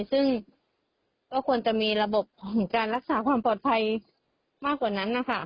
ซึ่งก็ควรจะมีระบบของการรักษาความปลอดภัยมากกว่านั้นนะคะ